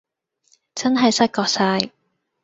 真係失覺哂